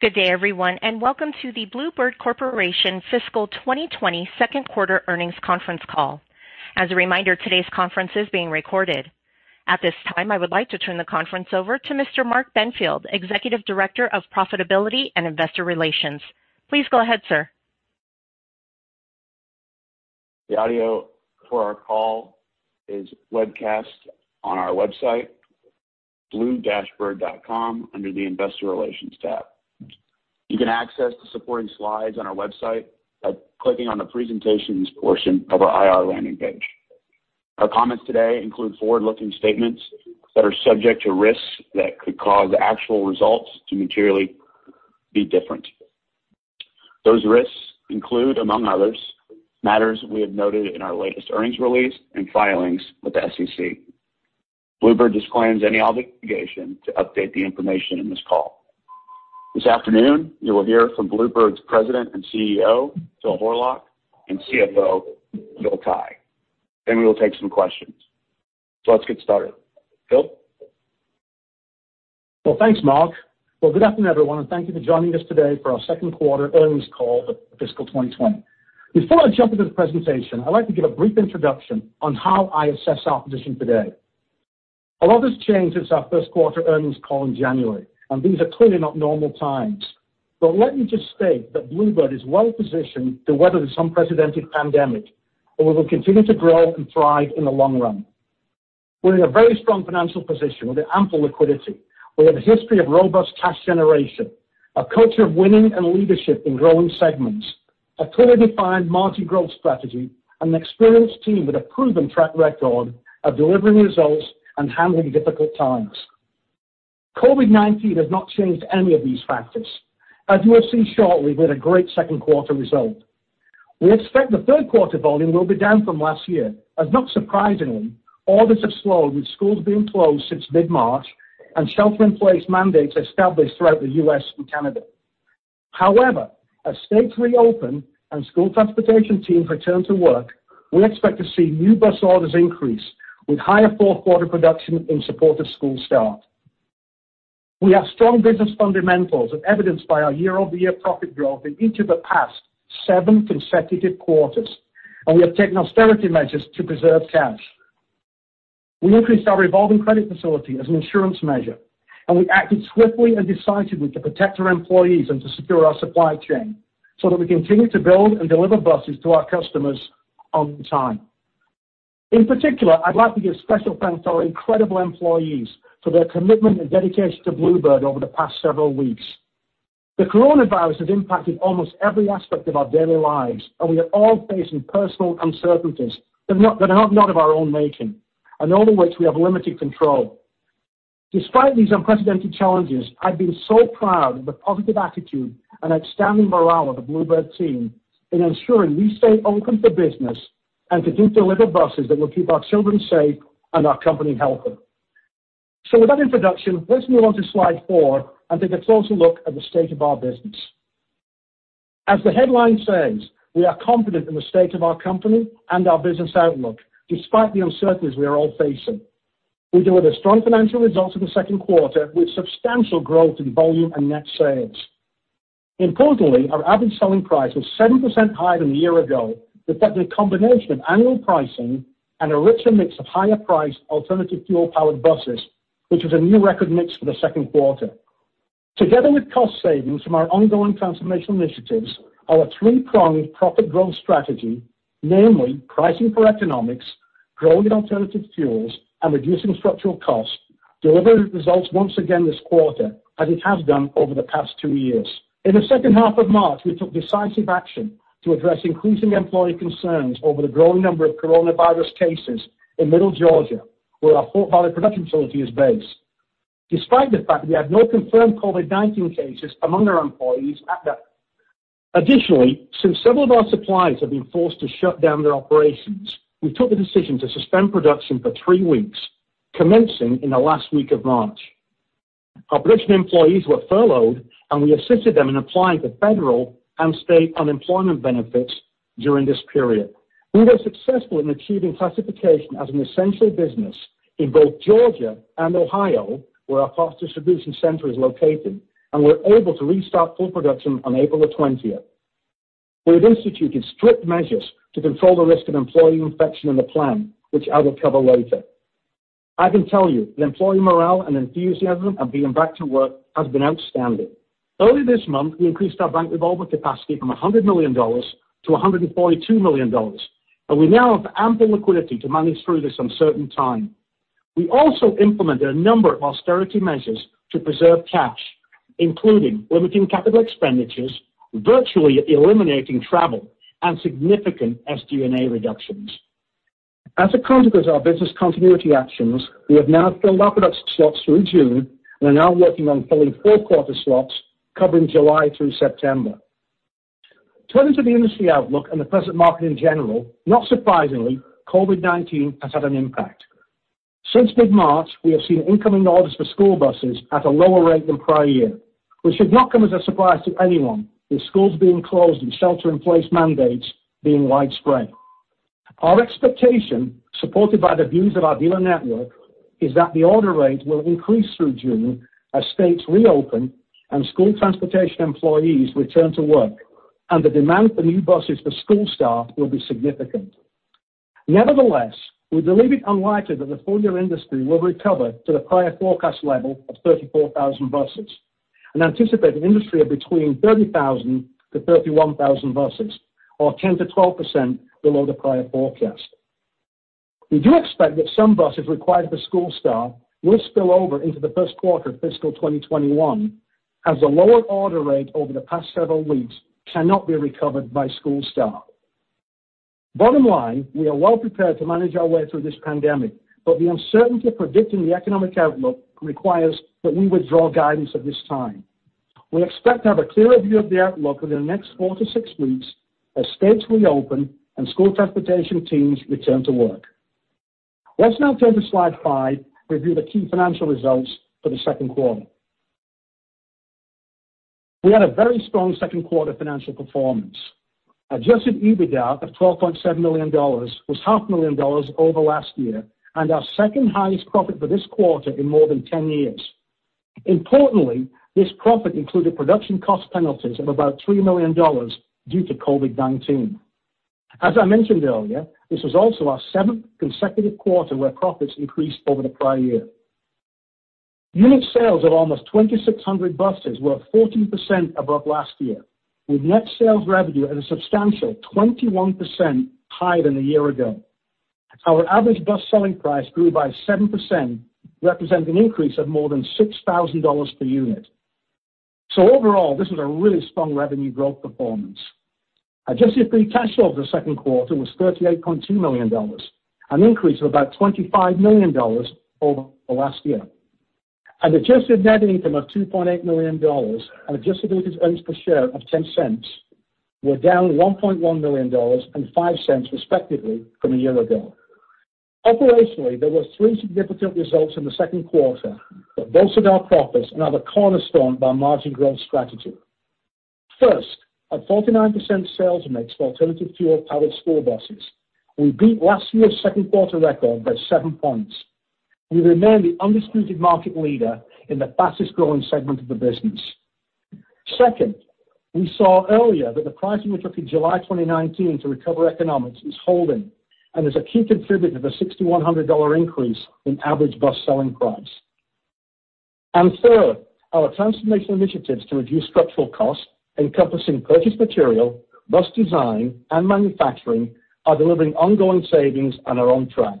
Good day, everyone, and welcome to the Blue Bird Corporation Fiscal 2020 Second Quarter Earnings Conference Call. As a reminder, today's conference is being recorded. At this time, I would like to turn the conference over to Mr. Mark Benfield, Executive Director of Profitability and Investor Relations. Please go ahead, sir. The audio for our call is webcast on our website, blue-bird.com, under the Investor Relations tab. You can access the supporting slides on our website by clicking on the Presentations portion of our IR landing page. Our comments today include forward-looking statements that are subject to risks that could cause actual results to materially be different. Those risks include, among others, matters we have noted in our latest earnings release and filings with the SEC. Blue Bird disclaims any obligation to update the information in this call. This afternoon, you will hear from Blue Bird's President and CEO, Phil Horlock, and CFO, Phil Tighe. We will take some questions. Let's get started. Phil? Well, thanks, Mark. Well, good afternoon, everyone, and thank you for joining us today for our second quarter earnings call for fiscal 2020. Before I jump into the presentation, I'd like to give a brief introduction on how I assess our position today. A lot has changed since our first quarter earnings call in January, and these are clearly not normal times. Let me just state that Blue Bird is well positioned to weather this unprecedented pandemic, and we will continue to grow and thrive in the long run. We're in a very strong financial position with ample liquidity. We have a history of robust cash generation, a culture of winning and leadership in growing segments, a clearly defined multi-growth strategy, and an an experienced team with a proven track record of delivering results and handling difficult times. COVID-19 has not changed any of these factors. As you will see shortly, we had a great second quarter result. We expect the third-quarter volume will be down from last year, as not surprisingly, orders have slowed with schools being closed since mid-March and shelter-in-place mandates established throughout the U.S. and Canada. As states reopen and school transportation teams return to work, we expect to see new bus orders increase with higher fourth quarter production in support of school start. We have strong business fundamentals, as evidenced by our year-over-year profit growth in each of the past seven consecutive quarters, and we have taken austerity measures to preserve cash. We increased our revolving credit facility as an insurance measure, and we acted swiftly and decisively to protect our employees and to secure our supply chain so that we continue to build and deliver buses to our customers on time. In particular, I'd like to give special thanks to our incredible employees for their commitment and dedication to Blue Bird over the past several weeks. The coronavirus has impacted almost every aspect of our daily lives, and we are all facing personal uncertainties that are not of our own making, and over which we have limited control. Despite these unprecedented challenges, I've been so proud of the positive attitude and outstanding morale of the Blue Bird team in ensuring we stay open for business and continue to deliver buses that will keep our children safe and our company healthy. With that introduction, let's move on to slide four and take a closer look at the state of our business. As the headline says, we are confident in the state of our company and our business outlook, despite the uncertainties we are all facing. We delivered a strong financial result in the second quarter, with substantial growth in volume and net sales. Importantly, our average selling price was 7% higher than a year ago, reflecting a combination of annual pricing and a richer mix of higher-priced alternative fuel powered buses, which was a new record mix for the second quarter. Together with cost savings from our ongoing transformation initiatives, our three-pronged profit growth strategy, namely pricing for economics, growing alternative fuels, and reducing structural costs, delivered results once again this quarter as it has done over the past two years. In the second half of March, we took decisive action to address increasing employee concerns over the growing number of coronavirus cases in middle Georgia, where our Fort Valley production facility is based. Despite the fact we had no confirmed COVID-19 cases among our employees at that time. Additionally, since several of our suppliers have been forced to shut down their operations, we took the decision to suspend production for three weeks, commencing in the last week of March. Our production employees were furloughed, and we assisted them in applying for federal and state unemployment benefits during this period. We were successful in achieving classification as an essential business in both Georgia and Ohio, where our parts distribution center is located, and were able to restart full production on April the 20th. We have instituted strict measures to control the risk of employee infection in the plant, which I will cover later. I can tell you the employee morale and enthusiasm of being back to work has been outstanding. Earlier this month, we increased our bank revolver capacity from $100 million to $142 million. We now have ample liquidity to manage through this uncertain time. We also implemented a number of austerity measures to preserve cash, including limiting capital expenditures, virtually eliminating travel, and significant SG&A reductions. As a consequence of our business continuity actions, we have now filled our production slots through June and are now working on filling fourth quarter slots covering July through September. Turning to the industry outlook and the present market in general, not surprisingly, COVID-19 has had an impact. Since mid-March, we have seen incoming orders for school buses at a lower rate than prior year, which should not come as a surprise to anyone with schools being closed and shelter-in-place mandates being widespread. Our expectation, supported by the views of our dealer network, is that the order rate will increase through June as states reopen and school transportation employees return to work, and the demand for new buses for school start will be significant. Nevertheless, we believe it unlikely that the full-year industry will recover to the prior forecast level of 34,000 buses and anticipate an industry of between 30,000 to 31,000 buses or 10%-12% below the prior forecast. We do expect that some buses required for school start will spill over into the first quarter of fiscal 2021, as the lower order rate over the past several weeks cannot be recovered by school start. Bottom line, we are well prepared to manage our way through this pandemic, but the uncertainty of predicting the economic outlook requires that we withdraw guidance at this time. We expect to have a clearer view of the outlook within the next 4 to 6 weeks as states reopen and school transportation teams return to work. Let's now turn to slide five, review the key financial results for the second quarter. We had a very strong second quarter financial performance. Adjusted EBITDA of $12.7 million was half a million dollars over last year and our second-highest profit for this quarter in more than 10 years. Importantly, this profit included production cost penalties of about $3 million due to COVID-19. As I mentioned earlier, this was also our seventh consecutive quarter where profits increased over the prior year. Unit sales of almost 2,600 buses were 14% above last year, with net sales revenue at a substantial 21% higher than a year ago. Our average bus selling price grew by 7%, representing an increase of more than $6,000 per unit. Overall, this was a really strong revenue growth performance. Adjusted free cash flow for the second quarter was $38.2 million, an increase of about $25 million over the last year. An adjusted net income of $2.8 million and adjusted earnings per share of $0.10 were down $1.1 million and $0.05 respectively from a year ago. Operationally, there were three significant results in the second quarter that bolstered our profits and are the cornerstone of our margin growth strategy. First, at 49% sales mix for alternative fuel-powered school buses, we beat last year's second quarter record by seven points. We remain the undisputed market leader in the fastest-growing segment of the business. Second, we saw earlier that the pricing we took in July 2019 to recover economics is holding and is a key contributor to the $6,100 increase in average bus selling price. Third, our transformation initiatives to reduce structural costs, encompassing purchased material, bus design, and manufacturing, are delivering ongoing savings and are on track.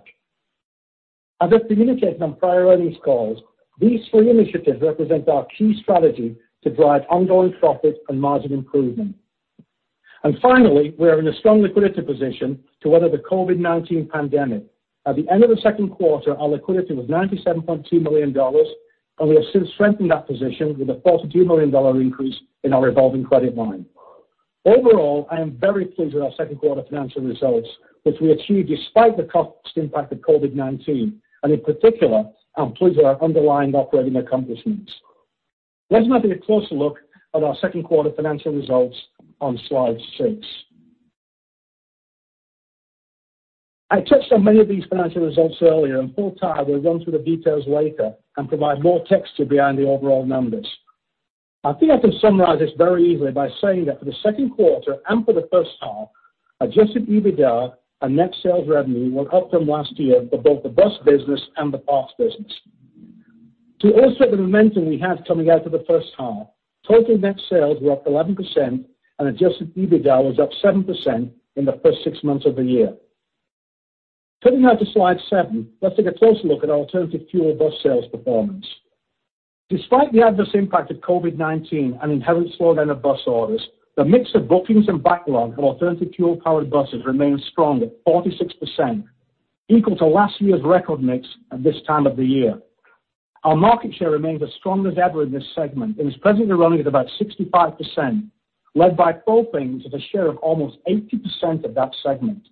As I've communicated on prior earnings calls, these three initiatives represent our key strategy to drive ongoing profit and margin improvement. Finally, we are in a strong liquidity position to weather the COVID-19 pandemic. At the end of the second quarter, our liquidity was $97.2 million, and we have since strengthened that position with a $42 million increase in our revolving credit line. Overall, I am very pleased with our second quarter financial results, which we achieved despite the cost impact of COVID-19, and in particular, I'm pleased with our underlying operating accomplishments. Let's now take a closer look at our second quarter financial results on slide six. I touched on many of these financial results earlier, and Phil Tighe will run through the details later and provide more texture behind the overall numbers. I think I can summarize this very easily by saying that for the second quarter and for the first half, adjusted EBITDA and net sales revenue were up from last year for both the bus business and the parts business. To illustrate the momentum we have coming out of the first half, total net sales were up 11% and adjusted EBITDA was up 7% in the first six months of the year. Turning now to slide seven, let's take a closer look at our alternative fuel bus sales performance. Despite the adverse impact of COVID-19 and inherent slowdown of bus orders, the mix of bookings and backlog for alternative fuel-powered buses remains strong at 46%, equal to last year's record mix at this time of the year. Our market share remains as strong as ever in this segment and is presently running at about 65%, led by propane with a share of almost 80% of that segment.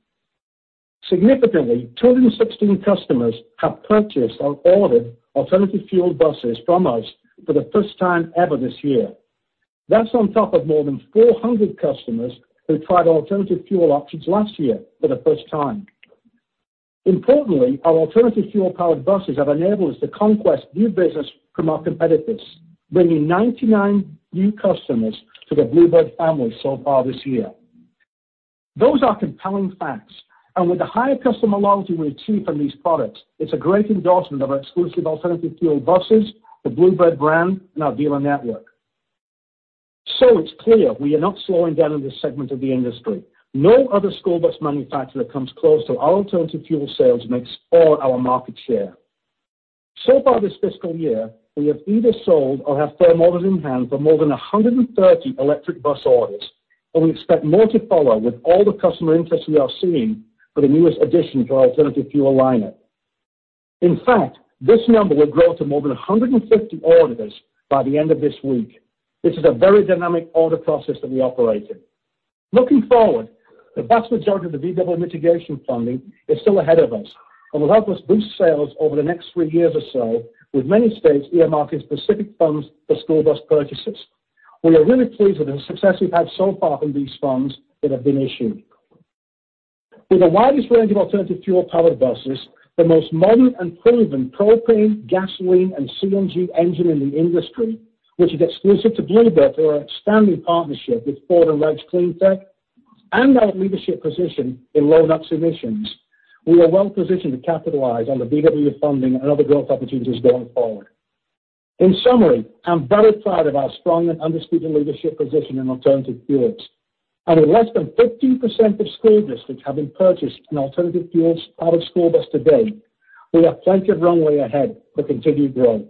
Significantly, 216 customers have purchased or ordered alternative fuel buses from us for the first time ever this year. That's on top of more than 400 customers who tried alternative fuel options last year for the first time. Importantly, our alternative fuel-powered buses have enabled us to conquest new business from our competitors, bringing 99 new customers to the Blue Bird family so far this year. Those are compelling facts, and with the higher customer loyalty we achieve from these products, it's a great endorsement of our exclusive alternative fuel buses, the Blue Bird brand, and our dealer network. It's clear we are not slowing down in this segment of the industry. No other school bus manufacturer comes close to our alternative fuel sales mix or our market share. So far this fiscal year, we have either sold or have firm orders in hand for more than 130 electric bus orders, and we expect more to follow with all the customer interest we are seeing for the newest addition to our alternative fuel lineup. In fact, this number will grow to more than 150 orders by the end of this week. This is a very dynamic order process that we operate in. Looking forward, the vast majority of the VW mitigation funding is still ahead of us and will help us boost sales over the next three years or so, with many states earmarking specific funds for school bus purchases. We are really pleased with the success we've had so far from these funds that have been issued. With the widest range of alternative fuel powered buses, the most modern and proven propane, gasoline, and CNG engine in the industry, which is exclusive to Blue Bird through our outstanding partnership with Ford and ROUSH CleanTech, and our leadership position in low NOx emissions, we are well positioned to capitalize on the VW funding and other growth opportunities going forward. In summary, I'm very proud of our strong and undisputed leadership position in alternative fuels. With less than 15% of school districts having purchased an alternative fuels powered school bus to date, we have plenty of runway ahead for continued growth.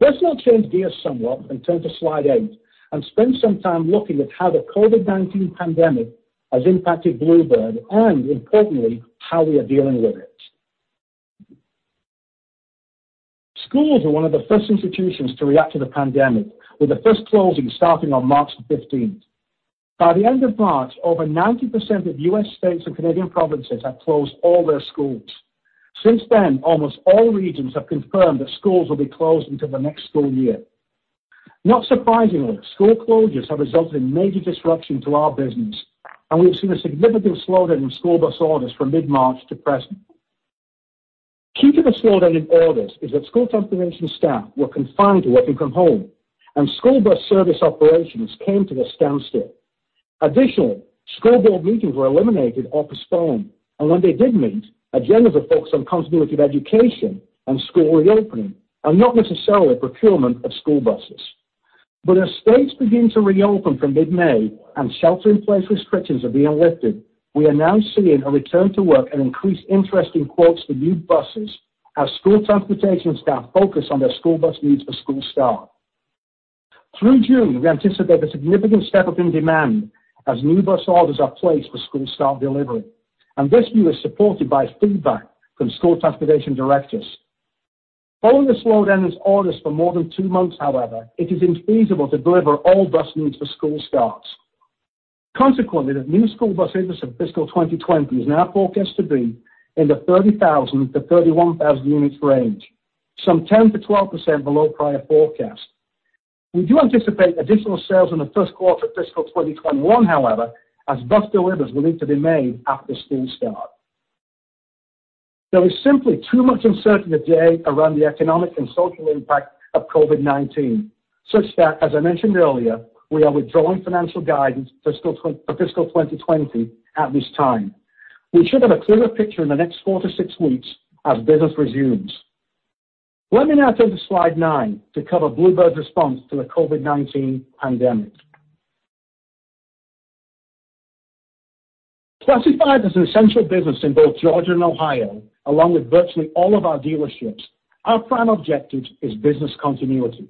Let's now change gears somewhat and turn to slide eight, and spend some time looking at how the COVID-19 pandemic has impacted Blue Bird and importantly, how we are dealing with it. Schools were one of the first institutions to react to the pandemic, with the first closing starting on March the 15th. By the end of March, over 90% of U.S. states and Canadian provinces had closed all their schools. Since then, almost all regions have confirmed that schools will be closed until the next school year. Not surprisingly, school closures have resulted in major disruption to our business, and we've seen a significant slowdown in school bus orders from mid-March to present. Key to the slowdown in orders is that school transportation staff were confined to working from home, and school bus service operations came to a standstill. School board meetings were eliminated or postponed, and when they did meet, agendas were focused on continuity of education and school reopening, and not necessarily procurement of school buses. As states begin to reopen from mid-May and shelter-in-place restrictions are being lifted, we are now seeing a return to work and increased interest in quotes for new buses as school transportation staff focus on their school bus needs for school start. Through June, we anticipate a significant step-up in demand as new bus orders are placed for school start delivery, and this view is supported by feedback from school transportation directors. Following the slowdown in orders for more than two months, however, it is infeasible to deliver all bus needs for school starts. Consequently, the new school bus business in fiscal 2020 is now forecast to be in the 30,000-31,000 units range, some 10%-12% below prior forecast. We do anticipate additional sales in the first quarter of fiscal 2021, however, as bus deliveries will need to be made after school start. There is simply too much uncertainty today around the economic and social impact of COVID-19, such that, as I mentioned earlier, we are withdrawing financial guidance for fiscal 2020 at this time. We should have a clearer picture in the next four to six weeks as business resumes. Let me now turn to slide nine to cover Blue Bird's response to the COVID-19 pandemic. Classified as an essential business in both Georgia and Ohio, along with virtually all of our dealerships, our prime objective is business continuity.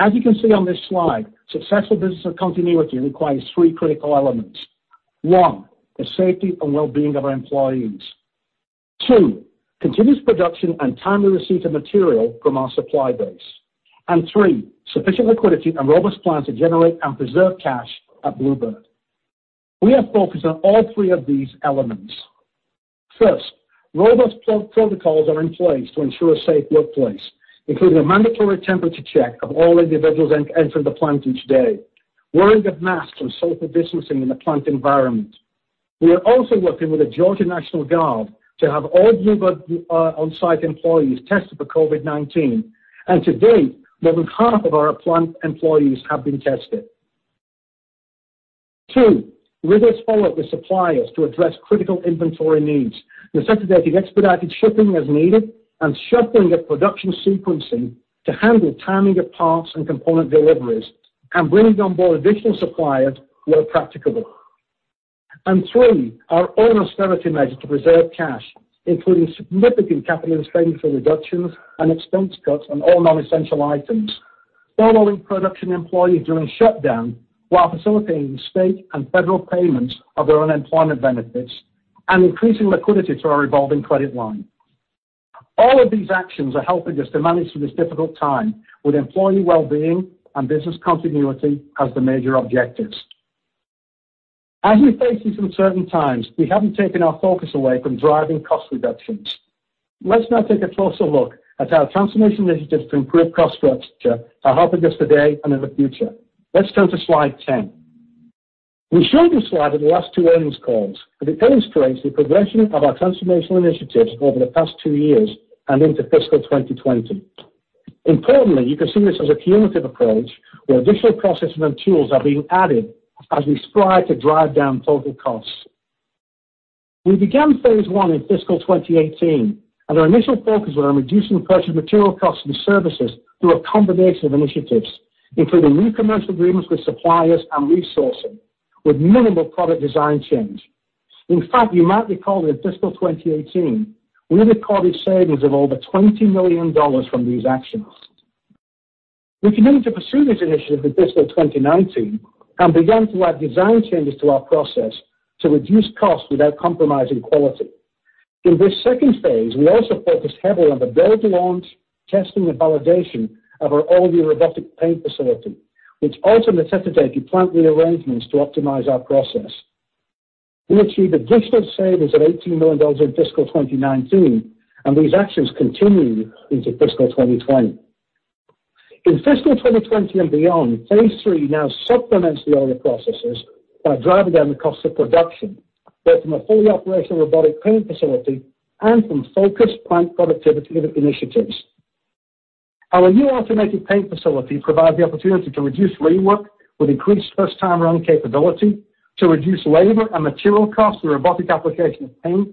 As you can see on this slide, successful business continuity requires three critical elements. One, the safety and well-being of our employees. Two, continuous production and timely receipt of material from our supply base. Three, sufficient liquidity and robust plan to generate and preserve cash at Blue Bird. We are focused on all three of these elements. First, robust protocols are in place to ensure a safe workplace, including a mandatory temperature check of all individuals entering the plant each day, wearing of masks and social distancing in the plant environment. We are also working with the Georgia National Guard to have all Blue Bird on-site employees tested for COVID-19. To date, more than half of our plant employees have been tested. Two, rigorous follow-up with suppliers to address critical inventory needs, necessitating expedited shipping as needed and shuffling the production sequencing to handle timing of parts and component deliveries, and bringing on board additional suppliers where practicable. Three, our own austerity measures to preserve cash, including significant capital and spending flow reductions and expense cuts on all non-essential items, furloughing production employees during shutdown while facilitating state and federal payments of their unemployment benefits, and increasing liquidity through our revolving credit line. All of these actions are helping us to manage through this difficult time with employee well-being and business continuity as the major objectives. As we face these uncertain times, we haven't taken our focus away from driving cost reductions. Let's now take a closer look at how transformation initiatives to improve cost structure are helping us today and in the future. Let's turn to slide 10. We showed this slide at the last two earnings calls, it illustrates the progression of our transformational initiatives over the past two years and into fiscal 2020. Importantly, you can see this as a cumulative approach where additional processes and tools are being added as we strive to drive down total costs. We began phase 1 in fiscal 2018, our initial focus was on reducing the purchase material costs and services through a combination of initiatives, including new commercial agreements with suppliers and resourcing with minimal product design change. In fact, you might recall that in fiscal 2018, we recorded savings of over $20 million from these actions. We continued to pursue this initiative in fiscal 2019 and began to add design changes to our process to reduce cost without compromising quality. In this second phase, we also focused heavily on the build, launch, testing, and validation of our all-new robotic paint facility, which also necessitated plant rearrangements to optimize our process. We achieved additional savings of $18 million in fiscal 2019, and these actions continue into fiscal 2020. In fiscal 2020 and beyond, phase 3 now supplements the other processes by driving down the cost of production, both from a fully operational robotic painting facility and from focused plant productivity initiatives. Our new automated paint facility provides the opportunity to reduce rework with increased first-time run capability, to reduce labor and material costs through robotic application of paint,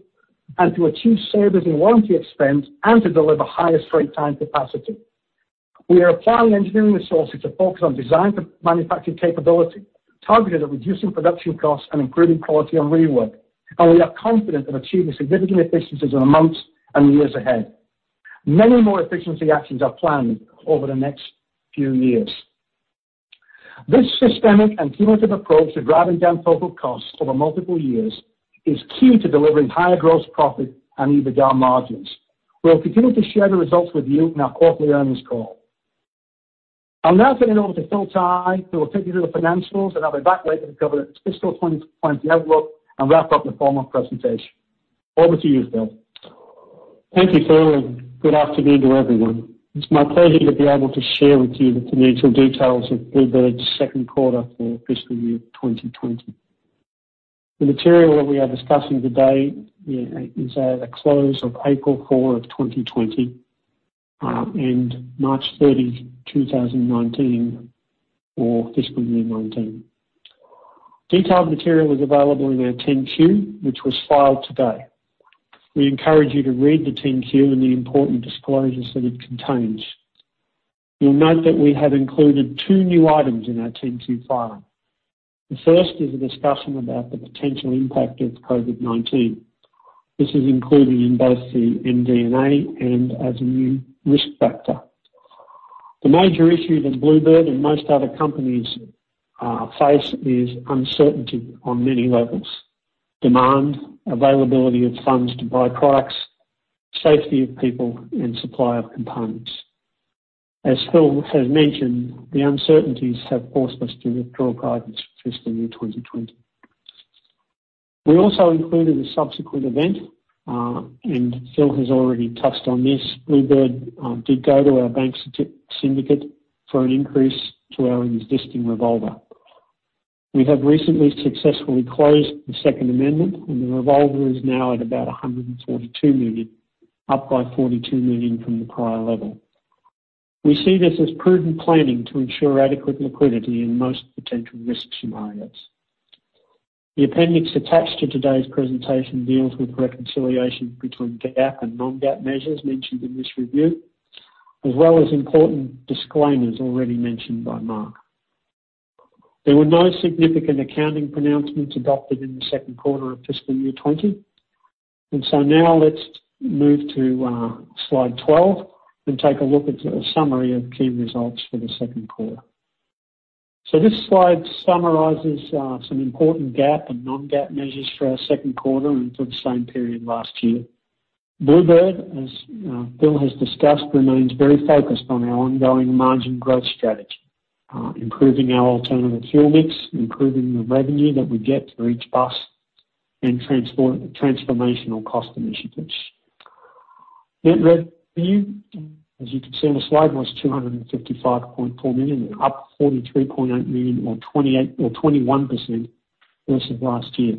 and to achieve savings in warranty expense and to deliver higher straight time capacity. We are applying engineering resources to focus on design for manufacturing capability, targeted at reducing production costs and improving quality on rework. We are confident in achieving significant efficiencies in the months and years ahead. Many more efficiency actions are planned over the next few years. This systemic and cumulative approach to driving down total costs over multiple years is key to delivering higher gross profit and EBITDA margins. We'll continue to share the results with you in our quarterly earnings call. I'll now hand it over to Phil Tighe, who will take you through the financials, and I'll be back later to cover the fiscal 2020 outlook and wrap up the formal presentation. Over to you, Phil. Thank you, Phil, and good afternoon to everyone. It's my pleasure to be able to share with you the financial details of Blue Bird's second quarter for fiscal year 2020. The material that we are discussing today is at a close of April 4, 2020, and March 30, 2019 for fiscal year 2019. Detailed material is available in our 10-Q, which was filed today. We encourage you to read the 10-Q and the important disclosures that it contains. You'll note that we have included two new items in our 10-Q filing. The first is a discussion about the potential impact of COVID-19. This is included in both the MD&A and as a new risk factor. The major issue that Blue Bird and most other companies face is uncertainty on many levels. Demand, availability of funds to buy products, safety of people, and supply of components. As Phil has mentioned, the uncertainties have forced us to withdraw guidance for fiscal year 2020. We also included a subsequent event, and Phil has already touched on this. Blue Bird did go to our bank syndicate for an increase to our existing revolver. We have recently successfully closed the second amendment, and the revolver is now at about $142 million, up by $42 million from the prior level. We see this as prudent planning to ensure adequate liquidity in most potential risk scenarios. The appendix attached to today's presentation deals with reconciliation between GAAP and non-GAAP measures mentioned in this review, as well as important disclaimers already mentioned by Mark. There were no significant accounting pronouncements adopted in the second quarter of fiscal year 2020. Now let's move to slide 12 and take a look at a summary of key results for the second quarter. This slide summarizes some important GAAP and non-GAAP measures for our second quarter and for the same period last year. Blue Bird, as Phil Tighe has discussed, remains very focused on our ongoing margin growth strategy, improving our alternative fuel mix, improving the revenue that we get for each bus, and transformational cost initiatives. Net revenue, as you can see on the slide, was $255.4 million, up $43.8 million or 21% versus last year.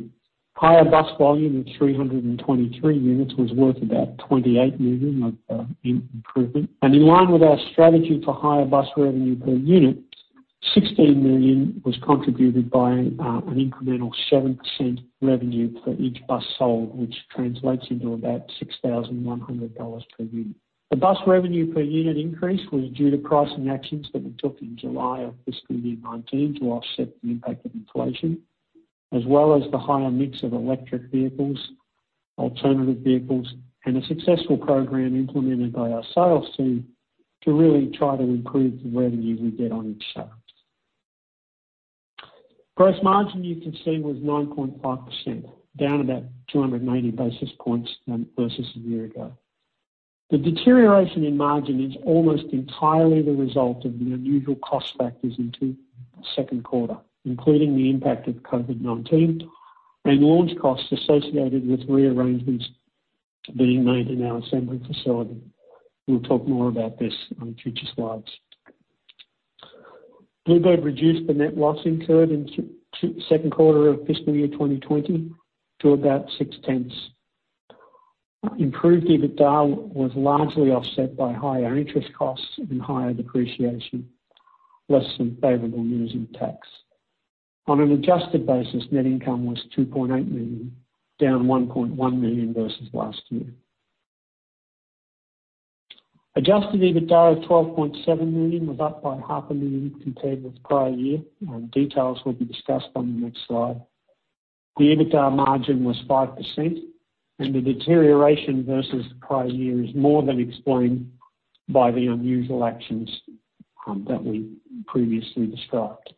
Higher bus volume of 323 units was worth about $28 million of net improvement. In line with our strategy for higher bus revenue per unit, $16 million was contributed by an incremental 7% revenue for each bus sold, which translates into about $6,100 per unit. The bus revenue per unit increase was due to pricing actions that we took in July of fiscal year 2019 to offset the impact of inflation, as well as the higher mix of electric vehicles, alternative vehicles, and a successful program implemented by our sales team to really try to improve the revenue we get on each sale. Gross margin you can see was 9.5%, down about 290 basis points versus a year ago. The deterioration in margin is almost entirely the result of the unusual cost factors in the second quarter, including the impact of COVID-19 and launch costs associated with rearrangements being made in our assembly facility. We'll talk more about this on future slides. Blue Bird reduced the net loss incurred in the second quarter of fiscal year 2020 to about $0.6 million. Improved EBITDA was largely offset by higher interest costs and higher depreciation, less some favorable years in tax. On an adjusted basis, net income was $2.8 million, down $1.1 million versus last year. Adjusted EBITDA of $12.7 million was up by half a million compared with prior year. Details will be discussed on the next slide. The EBITDA margin was 5%. The deterioration versus the prior year is more than explained by the unusual actions that we previously described.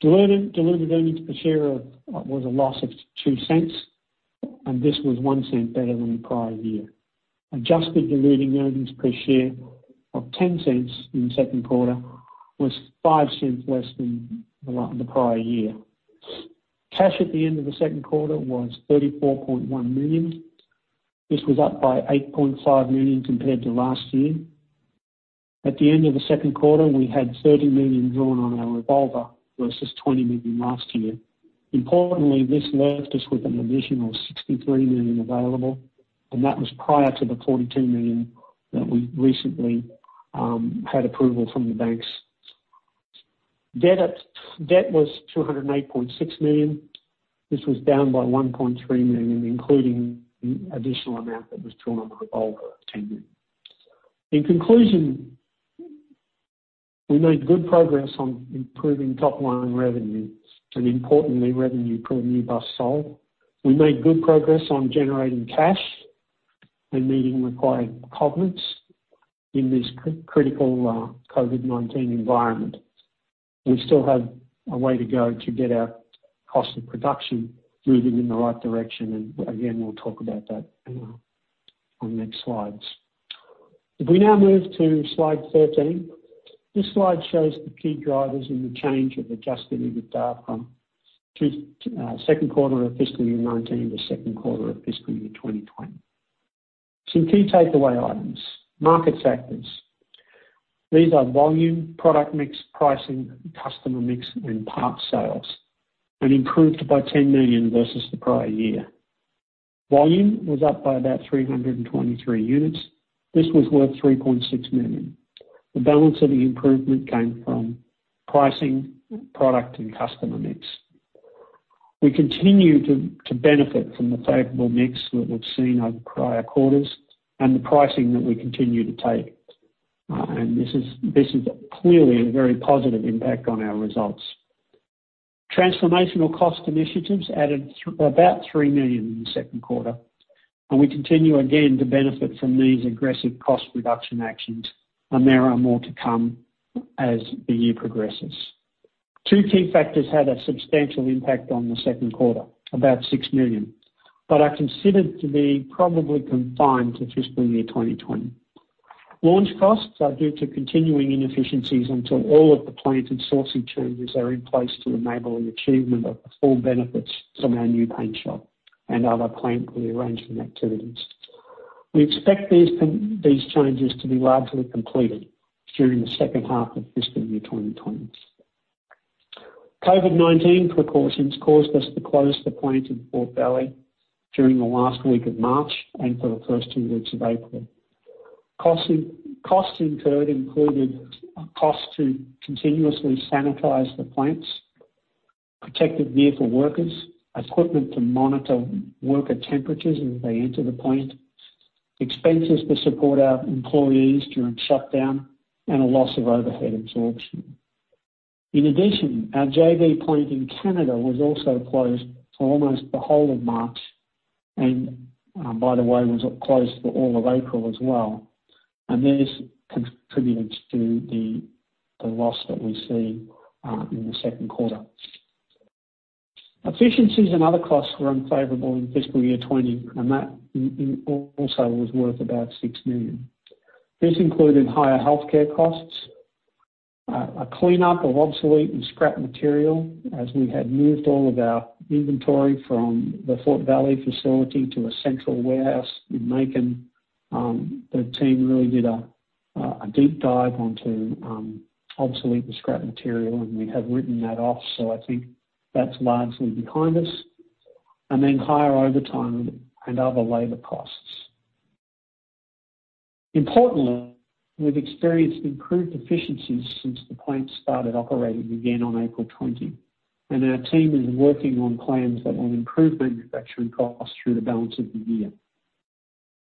Diluted earnings per share was a loss of $0.02. This was $0.01 better than the prior year. Adjusted diluted earnings per share of $0.10 in the second quarter was $0.05 less than the prior year. Cash at the end of the second quarter was $34.1 million. This was up by $8.5 million compared to last year. At the end of the second quarter, we had $30 million drawn on our revolver versus $20 million last year. Importantly, this left us with an additional $63 million available, and that was prior to the $42 million that we recently had approval from the banks. Debt was $209.6 million. This was down by $1.3 million, including the additional amount that was drawn on the revolver, $10 million. In conclusion, we made good progress on improving top-line revenue, and importantly, revenue per new bus sold. We made good progress on generating cash and meeting required covenants in this critical COVID-19 environment. We still have a way to go to get our cost of production moving in the right direction, and again, we'll talk about that on the next slides. If we now move to slide 13. This slide shows the key drivers in the change of adjusted EBITDA from second quarter of fiscal year 2019 to second quarter of fiscal year 2020. Some key takeaway items. Market sectors. These are volume, product mix, pricing, customer mix, and parts sales, and improved by $10 million versus the prior year. Volume was up by about 323 units. This was worth $3.6 million. The balance of the improvement came from pricing, product, and customer mix. We continue to benefit from the favorable mix that we've seen over prior quarters and the pricing that we continue to take. This is clearly a very positive impact on our results. Transformational cost initiatives added about $3 million in the second quarter. We continue again to benefit from these aggressive cost reduction actions. There are more to come as the year progresses. Two key factors had a substantial impact on the second quarter, about $6 million, but are considered to be probably confined to fiscal year 2020. Launch costs are due to continuing inefficiencies until all of the plant and sourcing changes are in place to enable an achievement of the full benefits from our new paint shop and other plant rearrangement activities. We expect these changes to be largely completed during the second half of fiscal year 2020. COVID-19 precautions caused us to close the plant in Fort Valley during the last week of March and for the first two weeks of April. Costs incurred included costs to continuously sanitize the plants, protective gear for workers, equipment to monitor worker temperatures as they enter the plant, expenses to support our employees during shutdown, and a loss of overhead absorption. In addition, our JV plant in Canada was also closed for almost the whole of March and, by the way, was closed for all of April as well, and this contributed to the loss that we see in the second quarter. Efficiencies and other costs were unfavorable in fiscal year 2020, and that also was worth about $6 million. This included higher healthcare costs, a cleanup of obsolete and scrap material as we had moved all of our inventory from the Fort Valley facility to a central warehouse in Macon. The team really did a deep dive onto obsolete and scrap material, and we have written that off, so I think that's largely behind us. Then higher overtime and other labor costs. Importantly, we've experienced improved efficiencies since the plant started operating again on April 20, and our team is working on plans that will improve manufacturing costs through the balance of the year.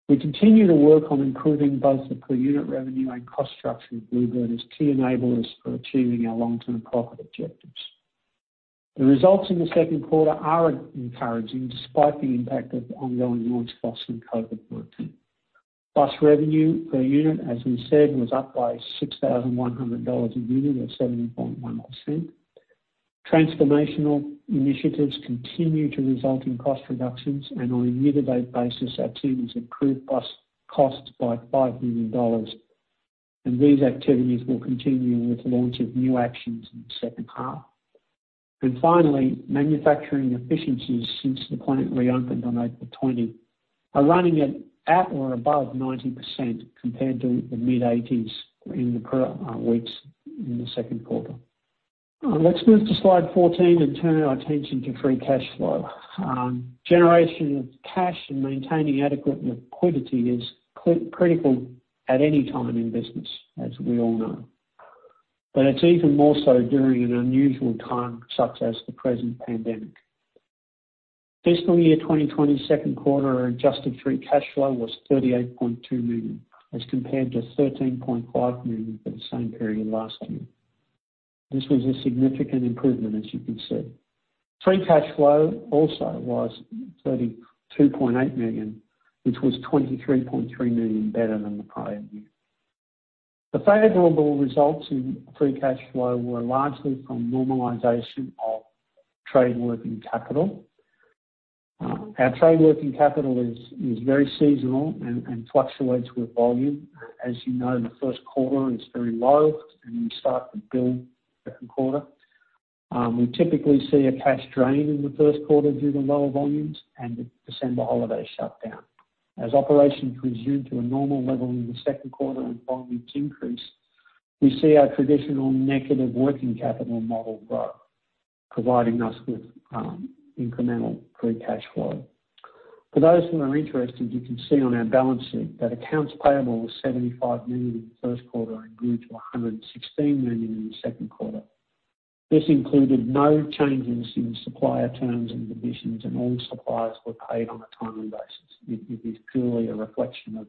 We continue to work on improving both the per-unit revenue and cost structure of Blue Bird as key enablers for achieving our long-term profit objectives. The results in the second quarter are encouraging despite the impact of the ongoing launch costs in COVID-19. Bus revenue per unit, as we said, was up by $6,100 a unit or 7.1%. Transformational initiatives continue to result in cost reductions, and on a year-to-date basis, our team has improved costs by $5 million. These activities will continue with the launch of new actions in the second half. Finally, manufacturing efficiencies since the plant reopened on April 20 are running at or above 90% compared to the mid-80s in the prior weeks in the second quarter. Let's move to slide 14 and turn our attention to free cash flow. Generation of cash and maintaining adequate liquidity is critical at any time in business, as we all know, but it's even more so during an unusual time such as the present pandemic. Fiscal year 2020 second quarter adjusted free cash flow was $38.2 million as compared to $13.5 million for the same period last year. This was a significant improvement, as you can see. Free cash flow also was $32.8 million, which was $23.3 million better than the prior year. The favorable results in free cash flow were largely from normalization of trade working capital. Our trade working capital is very seasonal and fluctuates with volume. As you know, in the first quarter, it's very low, and we start to build second quarter. We typically see a cash drain in the first quarter due to lower volumes and the December holiday shutdown. As operations resume to a normal level in the second quarter and volumes increase, we see our traditional negative working capital model grow, providing us with incremental free cash flow. For those who are interested, you can see on our balance sheet that accounts payable was $75 million in the first quarter and grew to $116 million in the second quarter. This included no changes in supplier terms and conditions, and all suppliers were paid on a timely basis. It is purely a reflection of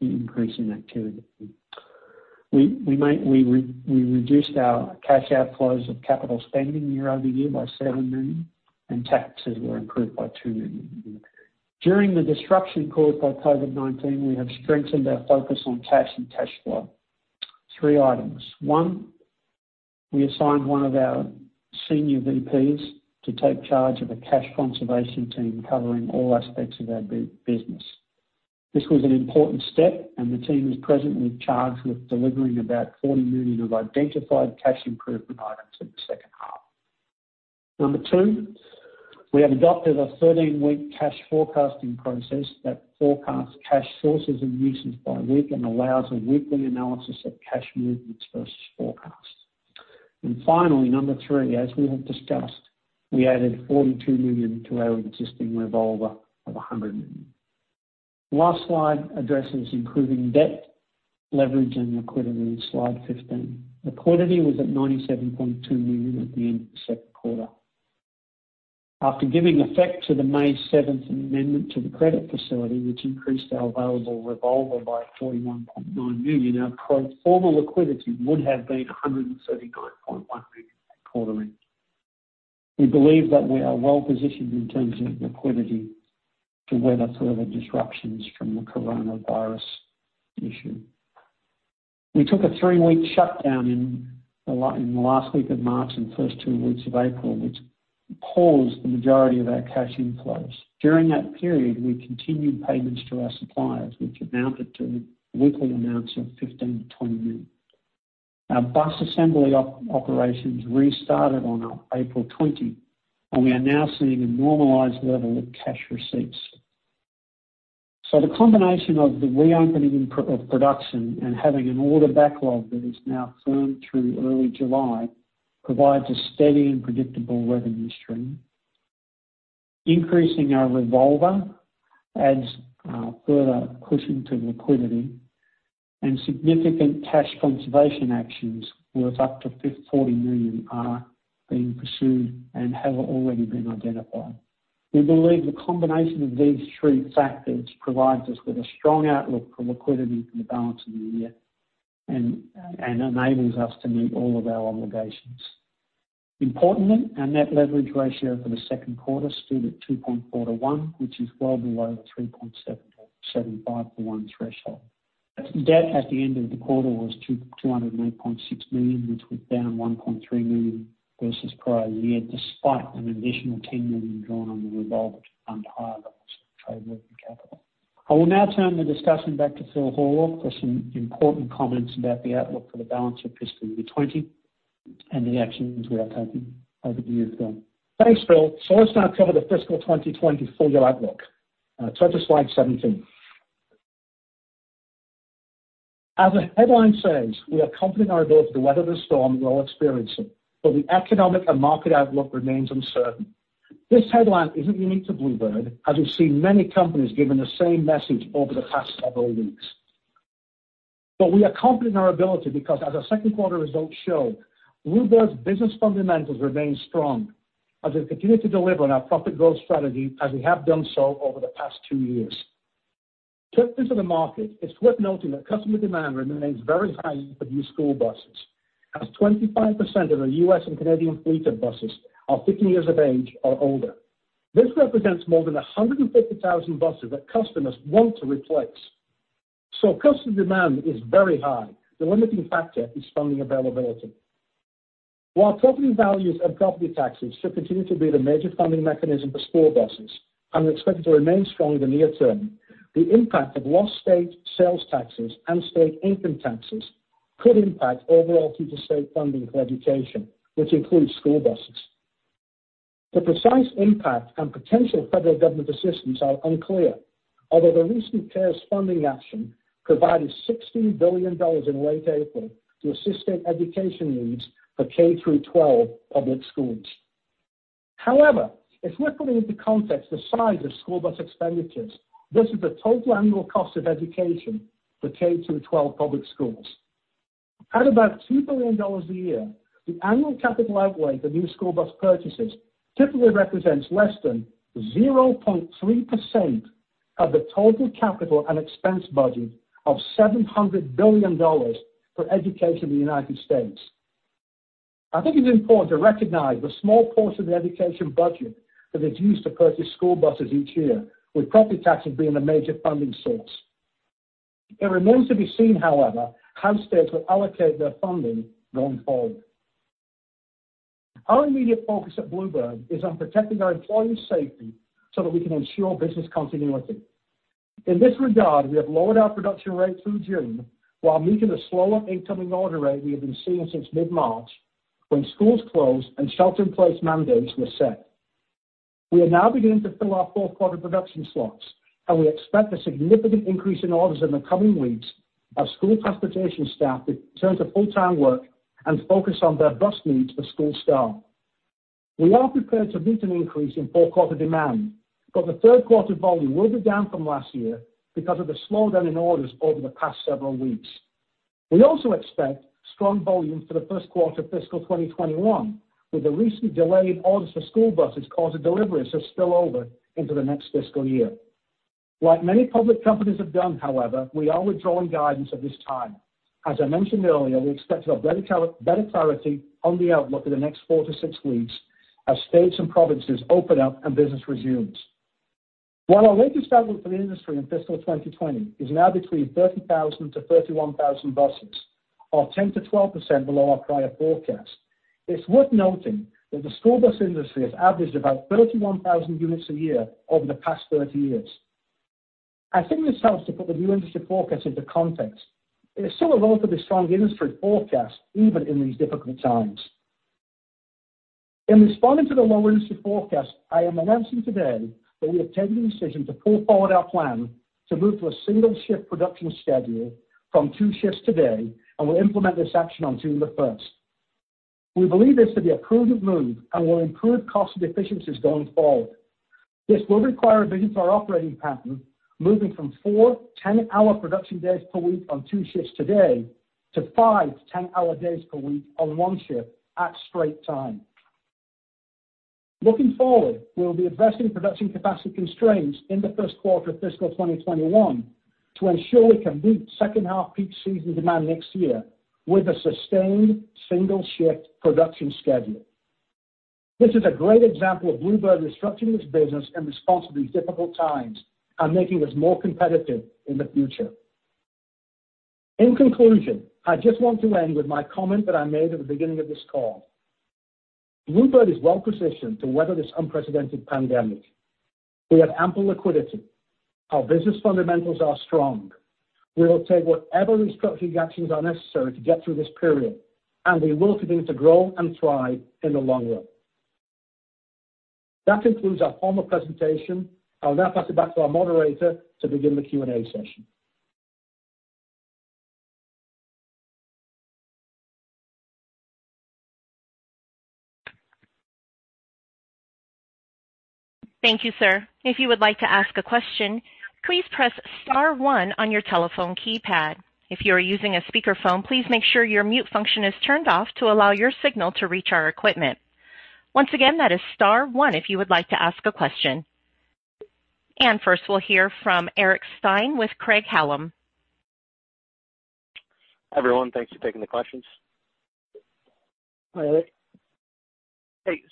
the increase in activity. We reduced our cash outflows of capital spending year-over-year by $7 million, and taxes were improved by $2 million. During the disruption caused by COVID-19, we have strengthened our focus on cash and cash flow. Three items. One, we assigned one of our senior VPs to take charge of a cash conservation team covering all aspects of our business. This was an important step, and the team is presently charged with delivering about $40 million of identified cash improvement items in the second half. Number two, we have adopted a 13-week cash forecasting process that forecasts cash sources and uses by week and allows a weekly analysis of cash movements versus forecasts. Finally, number three, as we have discussed, we added $42 million to our existing revolver of $100 million. Last slide addresses improving debt, leverage, and liquidity, slide 15. Liquidity was at $97.2 million at the end of the second quarter. After giving effect to the May 7th amendment to the credit facility, which increased our available revolver by $41.9 million, our pro forma liquidity would have been $139.1 million quarterly. We believe that we are well-positioned in terms of liquidity to weather further disruptions from the coronavirus issue. We took a three-week shutdown in the last week of March and first two weeks of April, which paused the majority of our cash inflows. During that period, we continued payments to our suppliers, which amounted to weekly amounts of $15 million-$20 million. Our bus assembly operations restarted on April 20, and we are now seeing a normalized level of cash receipts. The combination of the reopening of production and having an order backlog that is now firm through early July provides a steady and predictable revenue stream. Increasing our revolver adds further cushion to liquidity. Significant cash conservation actions worth up to $40 million are being pursued and have already been identified. We believe the combination of these three factors provides us with a strong outlook for liquidity for the balance of the year and enables us to meet all of our obligations. Importantly, our net leverage ratio for the second quarter stood at 2.4 to 1, which is well below the 3.75 to 1 threshold. Debt at the end of the quarter was $209.6 million, which was down $1.3 million versus prior year, despite an additional $10 million drawn on the revolver to fund higher levels of trade working capital. I will now turn the discussion back to Phil Horlock for some important comments about the outlook for the balance of fiscal year 2020 and the actions we are taking. Over to you, Phil. Thanks, Phil. Let's now cover the fiscal 2020 full-year outlook. Turn to slide 17. As the headline says, we are confident in our ability to weather the storm we're all experiencing, but the economic and market outlook remains uncertain. This headline isn't unique to Blue Bird, as we've seen many companies giving the same message over the past several weeks. We are confident in our ability because as our second quarter results show, Blue Bird's business fundamentals remain strong as we continue to deliver on our profit growth strategy as we have done so over the past two years. Turning to the market, it's worth noting that customer demand remains very high for new school buses, 25% of the U.S. and Canadian fleet of buses are 15 years of age or older. This represents more than 150,000 buses that customers want to replace. Customer demand is very high. The limiting factor is funding availability. While property values and property taxes should continue to be the major funding mechanism for school buses and are expected to remain strong in the near term, the impact of lost state sales taxes and state income taxes could impact overall future state funding for education, which includes school buses. The precise impact and potential federal government assistance are unclear, although the recent CARES funding action provided $60 billion in late April to assist state education needs for K through 12 public schools. It's worth putting into context the size of school bus expenditures versus the total annual cost of education for K through 12 public schools. At about $2 billion a year, the annual capital outlay for new school bus purchases typically represents less than 0.3% of the total capital and expense budget of $700 billion for education in the United States. I think it's important to recognize the small portion of the education budget that is used to purchase school buses each year, with property taxes being a major funding source. It remains to be seen, however, how states will allocate their funding going forward. Our immediate focus at Blue Bird is on protecting our employees' safety so that we can ensure business continuity. In this regard, we have lowered our production rate through June while meeting a slower incoming order rate we have been seeing since mid-March, when schools closed and shelter-in-place mandates were set. We are now beginning to fill our fourth quarter production slots, and we expect a significant increase in orders in the coming weeks as school transportation staff return to full-time work and focus on their bus needs for school start. We are prepared to meet an increase in fourth quarter demand, but the third quarter volume will be down from last year because of the slowdown in orders over the past several weeks. We also expect strong volumes for the first quarter of fiscal 2021, with the recently delayed orders for school buses causing deliveries to spill over into the next fiscal year. Like many public companies have done, however, we are withdrawing guidance at this time. As I mentioned earlier, we expect to have better clarity on the outlook in the next four to six weeks as states and provinces open up and business resumes. While our latest outlook for the industry in fiscal 2020 is now between 30,000-31,000 buses, or 10%-12% below our prior forecast, it's worth noting that the school bus industry has averaged about 31,000 units a year over the past 30 years. I think this helps to put the new industry forecast into context. It is still a relatively strong industry forecast even in these difficult times. In responding to the low industry forecast, I am announcing today that we have taken the decision to pull forward our plan to move to a single shift production schedule from two shifts today, and we'll implement this action on July 1st. We believe this to be a prudent move and will improve cost efficiencies going forward. This will require a revision to our operating pattern, moving from four 10-hour production days per week on two shifts today to five 10-hour days per week on one shift at straight time. Looking forward, we will be addressing production capacity constraints in the first quarter of fiscal 2021 to ensure we can meet second half peak season demand next year with a sustained single shift production schedule. This is a great example of Blue Bird restructuring its business in response to these difficult times and making us more competitive in the future. In conclusion, I just want to end with my comment that I made at the beginning of this call. Blue Bird is well-positioned to weather this unprecedented pandemic. We have ample liquidity. Our business fundamentals are strong. We will take whatever restructuring actions are necessary to get through this period, and we will continue to grow and thrive in the long run. That concludes our formal presentation. I'll now pass it back to our moderator to begin the Q&A session. Thank you, sir. If you would like to ask a question, please press star one on your telephone keypad. If you are using a speakerphone, please make sure your mute function is turned off to allow your signal to reach our equipment. Once again, that is star one if you would like to ask a question. First, we'll hear from Eric Stine with Craig-Hallum. Everyone, thanks for taking the questions. Hi, Eric.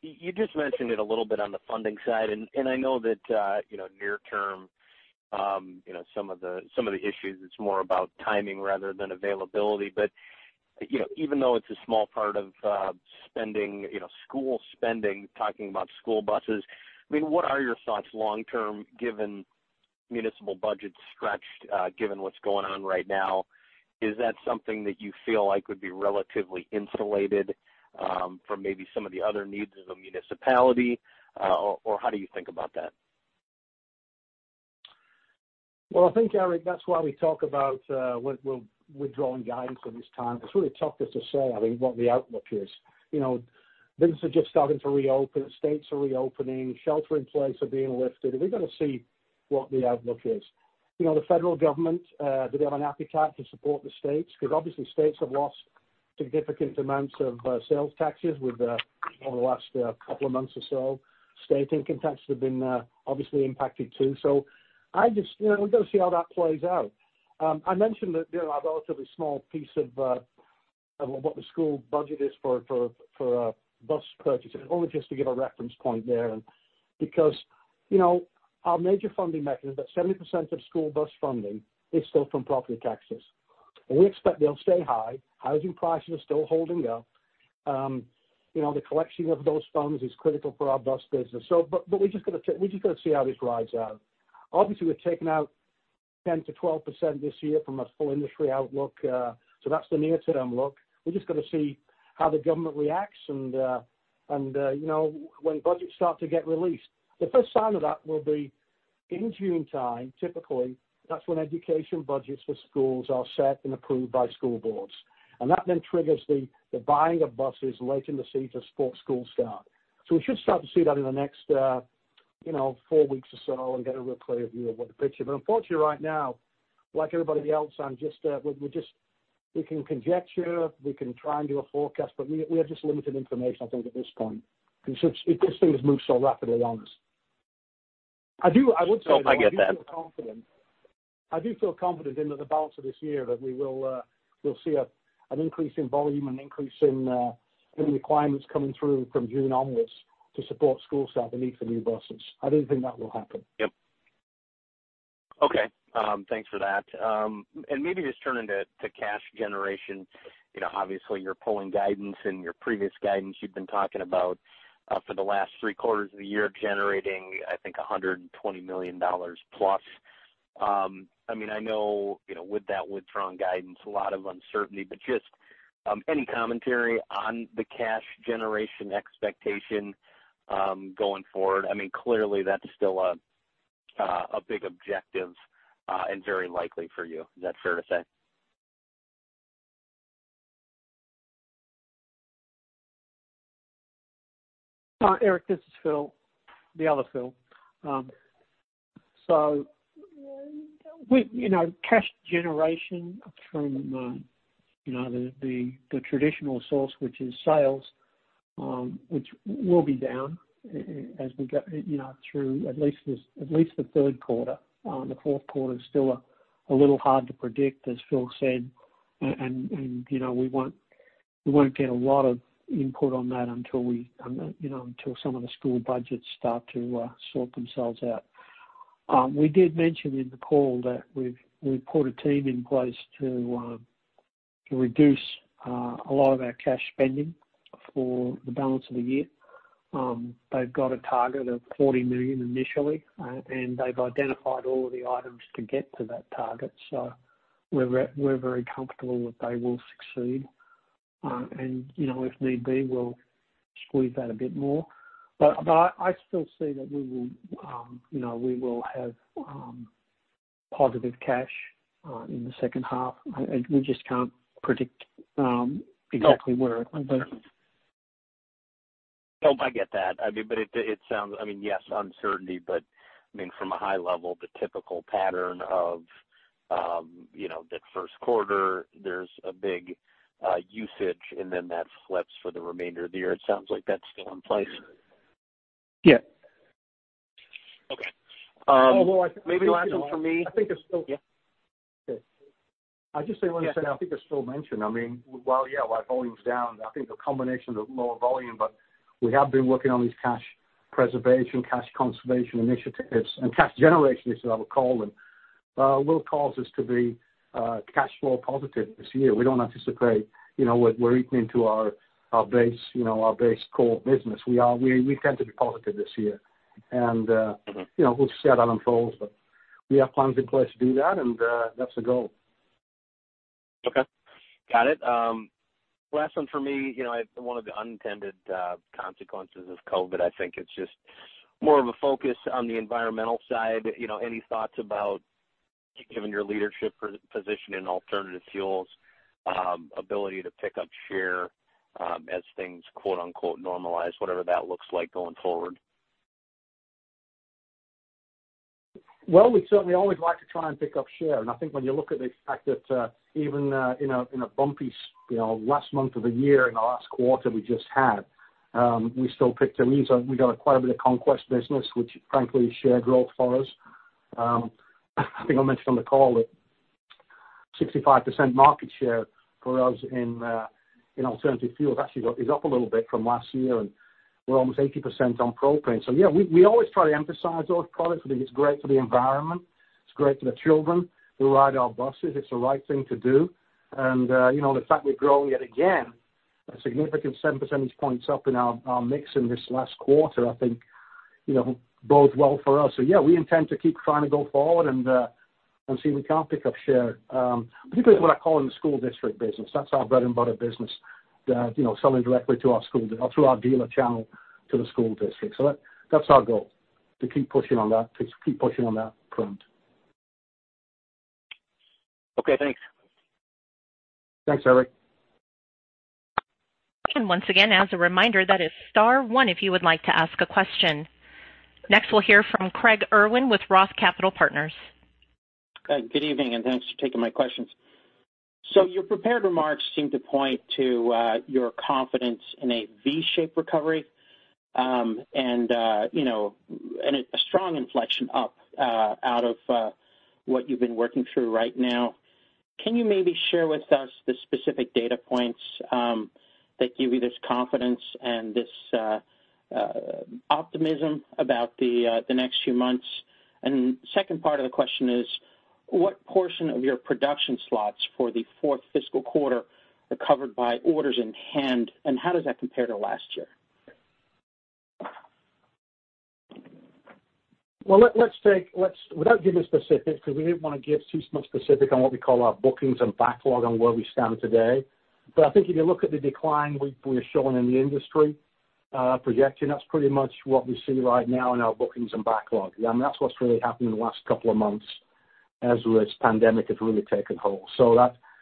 You just mentioned it a little bit on the funding side, and I know that near term some of the issues, it's more about timing rather than availability. Even though it's a small part of school spending, talking about school buses, what are your thoughts long term, given municipal budgets stretched, given what's going on right now? Is that something that you feel like would be relatively insulated from maybe some of the other needs of the municipality? How do you think about that? Well, I think, Eric, that's why we talk about withdrawing guidance at this time. It's really tough just to say what the outlook is. Things are just starting to reopen. States are reopening. Shelter in place are being lifted. We've got to see what the outlook is. The federal government, they have an appetite to support the states because obviously states have lost significant amounts of sales taxes over the last couple of months or so. State income taxes have been obviously impacted, too. We've got to see how that plays out. I mentioned that our relatively small piece of what the school budget is for bus purchases, only just to give a reference point there. Our major funding mechanism, 70% of school bus funding is still from property taxes. We expect they'll stay high. Housing prices are still holding up. The collection of those funds is critical for our bus business. We've just got to see how this rides out. Obviously, we've taken out 10%-12% this year from a full industry outlook. That's the near-term look. We've just got to see how the government reacts and when budgets start to get released. The first sign of that will be in June time, typically. That's when education budgets for schools are set and approved by school boards. That then triggers the buying of buses late in the season for school start. So we should start to see that in the next four weeks or so and get a real clear view of the picture. Unfortunately right now, like everybody else, we can conjecture, we can try and do a forecast, but we have just limited information, I think, at this point. This thing has moved so rapidly on us. I would say I do feel confident in the balance of this year that we'll see an increase in volume and increase in new requirements coming through from June onwards to support school start the need for new buses. I do think that will happen. Yep. Okay. Thanks for that. Maybe just turning to cash generation. Obviously, you're pulling guidance and your previous guidance you've been talking about for the last three quarters of the year generating, I think, $120 million plus. I know with that withdrawn guidance, a lot of uncertainty, just any commentary on the cash generation expectation going forward. Clearly that's still a big objective, and very likely for you. Is that fair to say? Eric, this is Phil. The other Phil. Cash generation from the traditional source, which is sales, which will be down as we go through at least the third quarter. The fourth quarter is still a little hard to predict, as Phil said, We won't get a lot of input on that until some of the school budgets start to sort themselves out. We did mention in the call that we put a team in place to reduce a lot of our cash spending for the balance of the year. They've got a target of $40 million initially, they've identified all of the items to get to that target. We're very comfortable that they will succeed. If need be, we'll squeeze that a bit more. I still see that we will have positive cash in the second half. We just can't predict exactly where. No, I get that. Yes, uncertainty, but from a high level, the typical pattern of that first quarter, there's a big usage, and then that flips for the remainder of the year. It sounds like that's still in place. Yeah. Okay. Maybe the last one for me. I think it's still. Yeah. I'll just say one thing. I think I still mentioned. While volume is down, I think the combination of lower volume, but we have been working on these cash preservation, cash conservation initiatives, and cash generation initiatives I would call them, will cause us to be cash flow positive this year. We don't anticipate we're eating into our base core business. We intend to be positive this year. We'll see how that unfolds, but we have plans in place to do that, and that's the goal. Okay. Got it. Last one for me. One of the unintended consequences of COVID, I think, it's just more of a focus on the environmental side. Any thoughts about giving your leadership position in alternative fuels ability to pick up share as things "normalize," whatever that looks like going forward? Well, we'd certainly always like to try and pick up share. I think when you look at the fact that even in a bumpy last month of the year, in the last quarter we just had, we still picked up. We got quite a bit of conquest business, which frankly is share growth for us. I think I mentioned on the call that 65% market share for us in alternative fuels actually is up a little bit from last year, and we're almost 80% on propane. Yeah, we always try to emphasize those products. We think it's great for the environment. It's great for the children who ride our buses. It's the right thing to do. The fact we've grown yet again, a significant seven percentage points up in our mix in this last quarter, I think bodes well for us. Yeah, we intend to keep trying to go forward and see if we can't pick up share, particularly what I call in the school district business. That's our bread and butter business, selling directly through our dealer channel to the school district. That's our goal, to keep pushing on that front. Okay, thanks. Thanks, Eric. Once again, as a reminder, that is star one if you would like to ask a question. Next, we'll hear from Craig Irwin with ROTH Capital Partners. Good evening, and thanks for taking my questions. Your prepared remarks seem to point to your confidence in a V-shaped recovery, and a strong inflection up out of what you've been working through right now. Can you maybe share with us the specific data points that give you this confidence and this optimism about the next few months? Second part of the question is, what portion of your production slots for the fourth fiscal quarter are covered by orders in hand, and how does that compare to last year? Without getting specific, because we didn't want to give too much specific on what we call our bookings and backlog on where we stand today. I think if you look at the decline we're showing in the industry projection, that's pretty much what we see right now in our bookings and backlog. That's what's really happened in the last couple of months as this pandemic has really taken hold.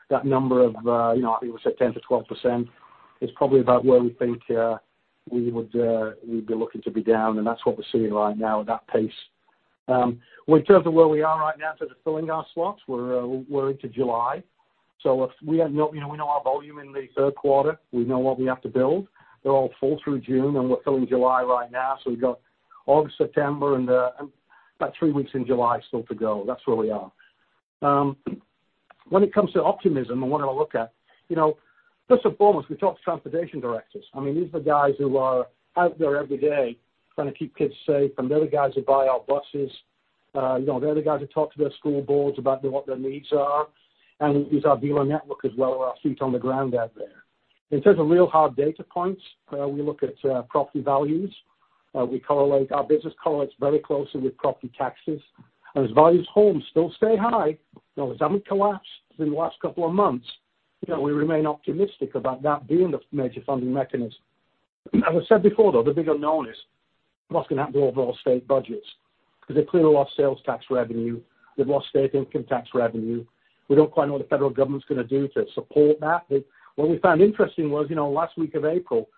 That number of, I think we said 10%-12%, is probably about where we think we'd be looking to be down, and that's what we're seeing right now at that pace. In terms of where we are right now in terms of filling our slots, we're into July. So we know our volume in the third quarter. We know what we have to build. They're all full through June, and we're filling July right now. We've got August, September, and about three weeks in July still to go. That's where we are. When it comes to optimism and wanting to look at, first and foremost, we talk to transportation directors. These are the guys who are out there every day trying to keep kids safe, and they're the guys who buy our buses. They're the guys who talk to their school boards about what their needs are, and it's our dealer network as well, our feet on the ground out there. In terms of real hard data points, we look at property values. Our business correlates very closely with property taxes. As values homes still stay high, it hasn't collapsed in the last couple of months. We remain optimistic about that being the major funding mechanism. As I said before, though, the big unknown is what's going to happen to overall state budgets, because they've clearly lost sales tax revenue. They've lost state income tax revenue. We don't quite know what the federal government's going to do to support that. What we found interesting was, last week of April,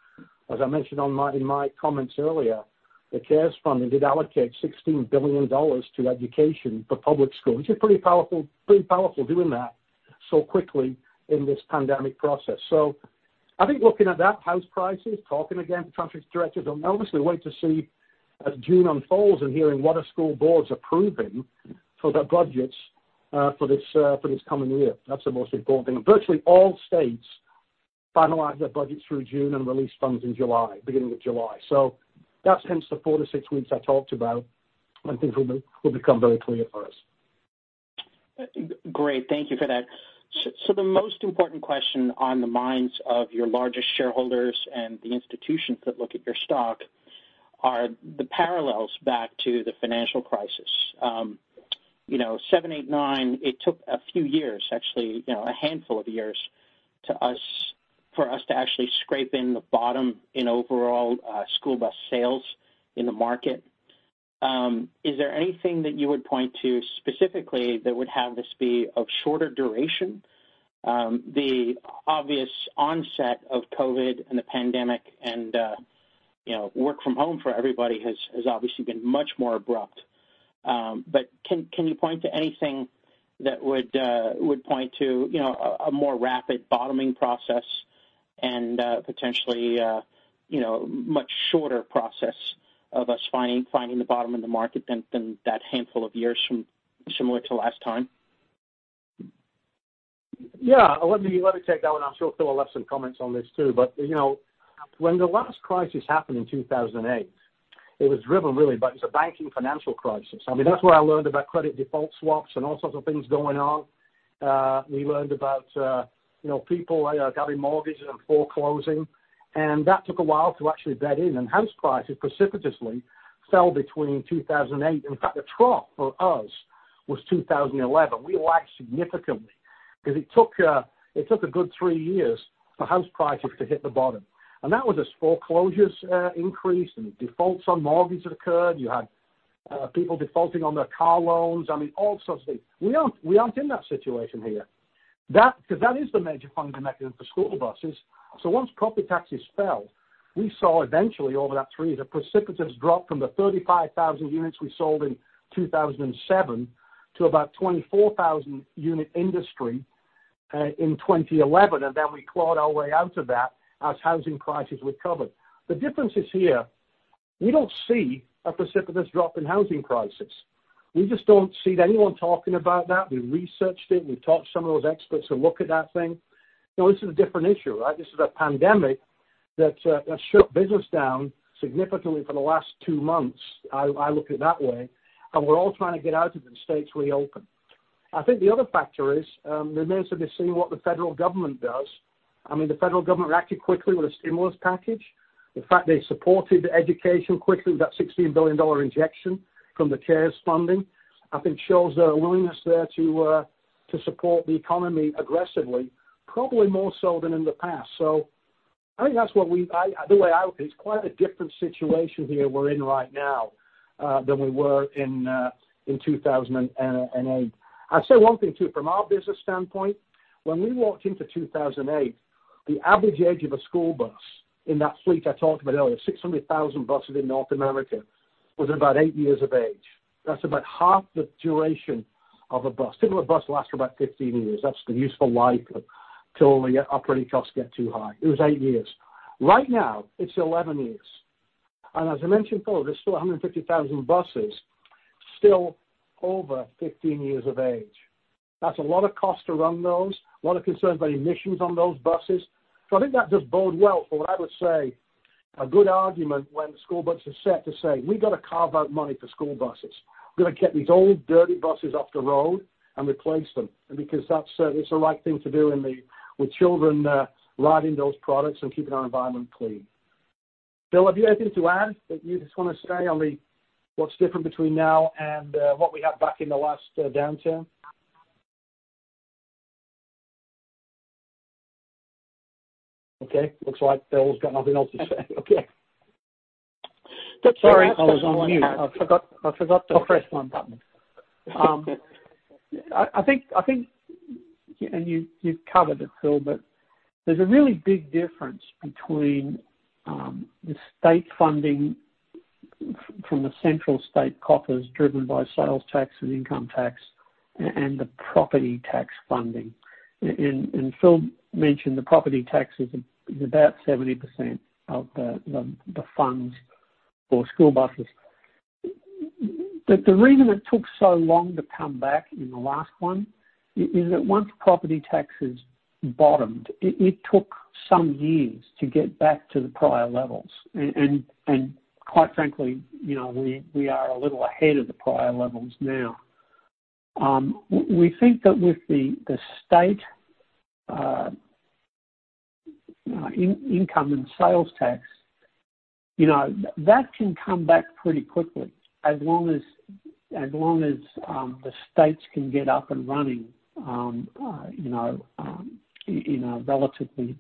as I mentioned in my comments earlier, the CARES funding did allocate $16 billion to education for public school, which is pretty powerful, doing that so quickly in this pandemic process. I think looking at that, house prices, talking again to transportation directors, and obviously wait to see as June unfolds and hearing what our school boards are approving for their budgets for this coming year. That's the most important thing. Virtually all states finalize their budgets through June and release funds in July, beginning of July. That's hence the four to six weeks I talked about when things will become very clear for us. Great. Thank you for that. The most important question on the minds of your largest shareholders and the institutions that look at your stock are the parallels back to the financial crisis. 2007, 2008, 2009, it took a few years, actually, a handful of years, for us to actually scrape in the bottom in overall school bus sales in the market. Is there anything that you would point to specifically that would have this be of shorter duration? The obvious onset of COVID and the pandemic and work from home for everybody has obviously been much more abrupt. Can you point to anything that would point to a more rapid bottoming process and potentially a much shorter process of us finding the bottom of the market than that handful of years similar to last time? Yeah. Let me take that one. I'm sure Phil will have some comments on this, too. When the last crisis happened in 2008, it was driven really by the banking financial crisis. That's where I learned about credit default swaps and all sorts of things going on. We learned about people having mortgages and foreclosing, and that took a while to actually bed in, and house prices precipitously fell between 2008. In fact, the trough for us was 2011. We lagged significantly because it took a good three years for house prices to hit the bottom. That was as foreclosures increased and defaults on mortgages occurred. You had people defaulting on their car loans. I mean, all sorts of things. We aren't in that situation here. That is the major funding mechanism for school buses. Once property taxes fell, we saw eventually the precipitous drop from the 35,000 units we sold in 2007 to about 24,000 unit industry in 2011, and then we clawed our way out of that as housing prices recovered. The difference is here, we don't see a precipitous drop in housing prices. We just don't see anyone talking about that. We researched it. We've talked to some of those experts who look at that thing. This is a different issue, right? This is a pandemic that shut business down significantly for the last two months. I look at it that way, and we're all trying to get out of it and states reopen. I think the other factor is it remains to be seen what the federal government does. The federal government reacted quickly with a stimulus package. The fact they supported education quickly with that $16 billion injection from the CARES funding, I think shows their willingness there to support the economy aggressively, probably more so than in the past. I think that's the way I look at it. It's quite a different situation here we're in right now than we were in 2008. I'd say one thing, too, from our business standpoint, when we walked into 2008, the average age of a school bus in that fleet I talked about earlier, 600,000 buses in North America, was about eight years of age. That's about half the duration of a bus. Typical bus will last for about 15 years. That's the useful life until the operating costs get too high. It was eight years. Right now, it's 11 years. As I mentioned before, there's still 150,000 buses still over 15 years of age. That's a lot of cost to run those, a lot of concerns about emissions on those buses. I think that does bode well for what I would say a good argument when the school budgets are set to say, "We got to carve out money for school buses. We got to get these old dirty buses off the road and replace them" because that's the right thing to do with children riding those products and keeping our environment clean. Phil, have you anything to add that you just want to say on what's different between now and what we had back in the last downturn? Okay, looks like Phil's got nothing else to say. Okay. Sorry, I was on mute. I forgot to press my button. I think, and you've covered it, Phil, but there's a really big difference between the state funding-From the central state coffers driven by sales tax and income tax and the property tax funding. Phil mentioned the property tax is about 70% of the funds for school buses. The reason it took so long to come back in the last one is that once property taxes bottomed, it took some years to get back to the prior levels. Quite frankly, we are a little ahead of the prior levels now. We think that with the state income and sales tax, that can come back pretty quickly as long as the states can get up and running in a relatively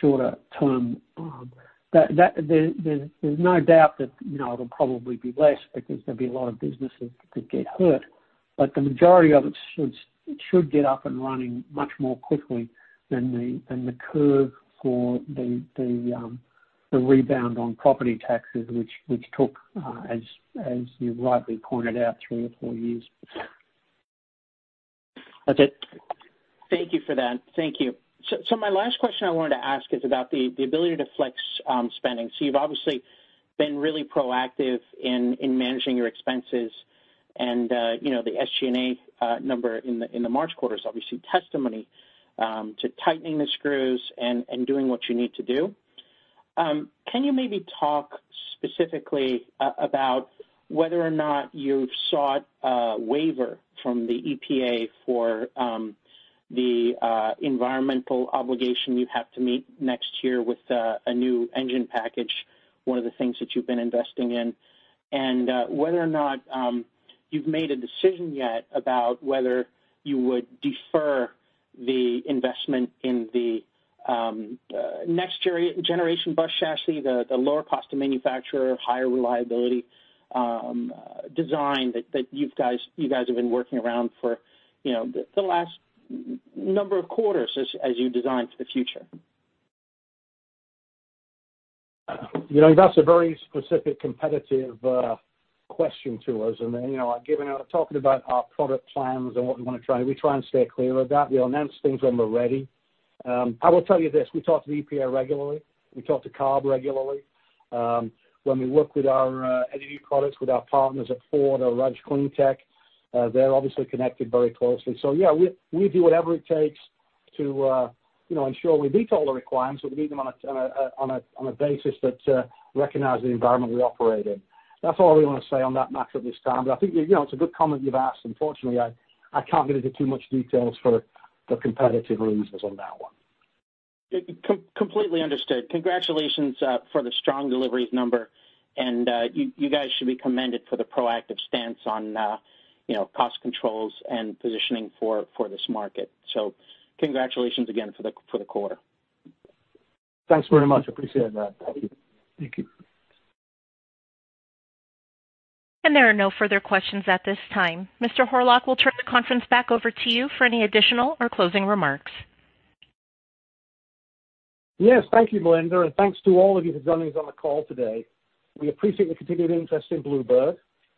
shorter term. There's no doubt that it'll probably be less because there'll be a lot of businesses that could get hurt, but the majority of it should get up and running much more quickly than the curve for the rebound on property taxes, which took, as you rightly pointed out, three or four years. Okay. Thank you for that. Thank you. My last question I wanted to ask is about the ability to flex spending. You've obviously been really proactive in managing your expenses and the SG&A number in the March quarter is obviously testimony to tightening the screws and doing what you need to do. Can you maybe talk specifically about whether or not you've sought a waiver from the EPA for the environmental obligation you have to meet next year with a new engine package, one of the things that you've been investing in. Whether or not you've made a decision yet about whether you would defer the investment in the next generation bus chassis, the lower cost to manufacturer, higher reliability design that you guys have been working around for the last number of quarters as you design for the future? That's a very specific competitive question to us, and talking about our product plans and what we want to try, we try and steer clear of that. We announce things when we're ready. I will tell you this, we talk to the EPA regularly. We talk to CARB regularly. When we work with our NGV products, with our partners at Ford or ROUSH CleanTech, they're obviously connected very closely. Yeah, we do whatever it takes to ensure we meet all the requirements, but we meet them on a basis that recognize the environment we operate in. That's all we want to say on that matter at this time. I think it's a good comment you've asked. Unfortunately, I can't really give too much details for competitive reasons on that one. Completely understood. Congratulations for the strong deliveries number. You guys should be commended for the proactive stance on cost controls and positioning for this market. Congratulations again for the quarter. Thanks very much. Appreciate that. Thank you. There are no further questions at this time. Mr. Horlock, we'll turn the conference back over to you for any additional or closing remarks. Yes, thank you, Melinda. Thanks to all of you for joining us on the call today. We appreciate the continued interest in Blue Bird.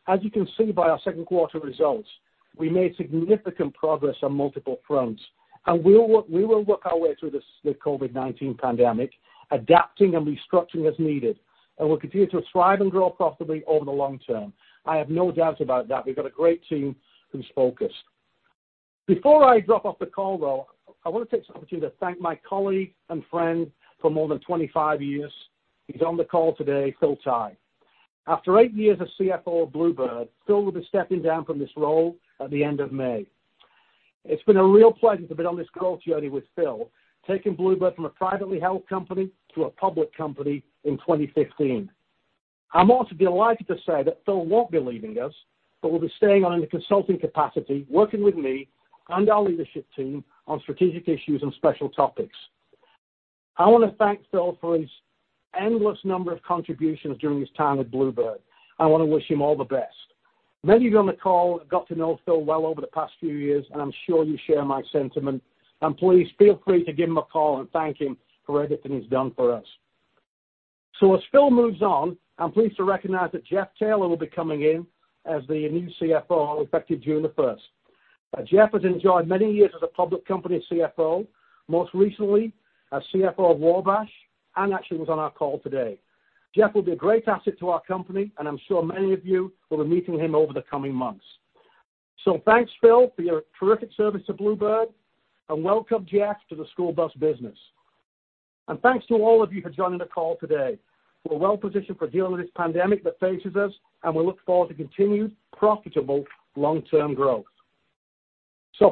As you can see by our second quarter results, we made significant progress on multiple fronts. We will work our way through the COVID-19 pandemic, adapting and restructuring as needed, and we'll continue to thrive and grow profitably over the long term. I have no doubts about that. We've got a great team who's focused. Before I drop off the call, though, I want to take this opportunity to thank my colleague and friend for more than 25 years. He's on the call today, Phil Tighe. After eight years as CFO of Blue Bird, Phil will be stepping down from this role at the end of May. It's been a real pleasure to be on this growth journey with Phil, taking Blue Bird from a privately held company to a public company in 2015. I'm also delighted to say that Phil won't be leaving us, but will be staying on in a consulting capacity, working with me and our leadership team on strategic issues and special topics. I want to thank Phil for his endless number of contributions during his time with Blue Bird. I want to wish him all the best. Many of you on the call have got to know Phil well over the past few years, and I'm sure you share my sentiment. Please feel free to give him a call and thank him for everything he's done for us. As Phil moves on, I'm pleased to recognize that Jeff Taylor will be coming in as the new CFO effective June the 1st. Jeff has enjoyed many years as a public company CFO, most recently as CFO of Wabash, and actually was on our call today. Jeff will be a great asset to our company, and I'm sure many of you will be meeting him over the coming months. Thanks, Phil, for your terrific service to Blue Bird, and welcome, Jeff, to the school bus business. Thanks to all of you for joining the call today. We're well-positioned for dealing with this pandemic that faces us, and we look forward to continued profitable long-term growth.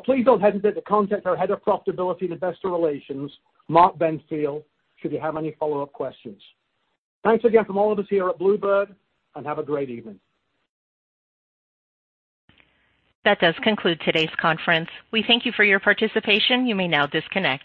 Please don't hesitate to contact our Head of Profitability and Investor Relations, Mark Benfield, should you have any follow-up questions. Thanks again from all of us here at Blue Bird, and have a great evening. That does conclude today's conference. We thank you for your participation. You may now disconnect.